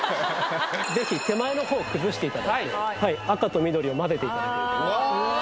ぜひ手前の方崩していただいて赤と緑をまぜていただいて・うわ